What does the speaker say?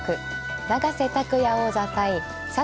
永瀬拓矢王座対佐藤